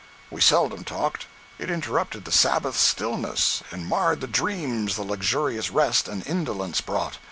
We seldom talked. It interrupted the Sabbath stillness, and marred the dreams the luxurious rest and indolence brought.